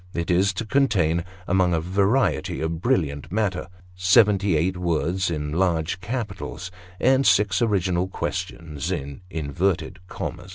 It is to contain, among a variety of brilliant matter, seventy eight words in large capitals, and six original quotations in inverted commas.